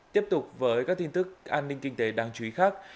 tiếp tục với các tin tức an ninh kinh tế đáng chú ý khác